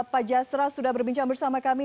pak jasra sudah berbincang bersama kami